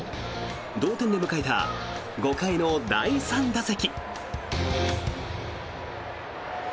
同点で迎えた５回の第３打席。